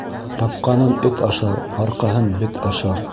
Тапҡанын эт ашар, арҡаһын бет ашар.